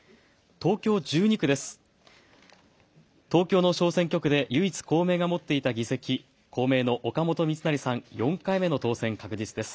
東京の小選挙区で唯一、公明が持っていた議席、公明の岡本三成さん、４回目の当選確実です。